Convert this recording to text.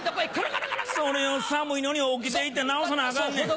それを寒いのに起きて行って直さなあかんねん。